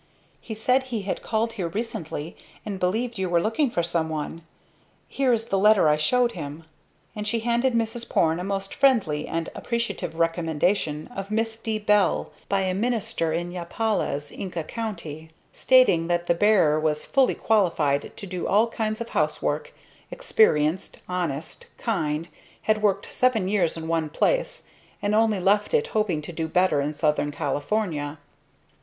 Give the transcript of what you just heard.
He said he had called here recently, and believed you were looking for someone. Here is the letter I showed him," and she handed Mrs. Porne a most friendly and appreciative recommendation of Miss D. Bell by a minister in Jopalez, Inca Co., stating that the bearer was fully qualified to do all kinds of housework, experienced, honest, kind, had worked seven years in one place, and only left it hoping to do better in Southern California.